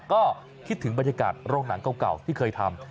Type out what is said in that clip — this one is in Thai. ก็คิดถึงบรรยากาศโรงหนังเก่าที่เคยทำ